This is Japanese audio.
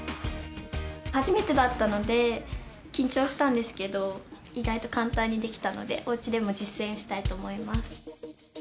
初めてだったので緊張したんですけど意外と簡単にできたのでおうちでも実践したいと思います。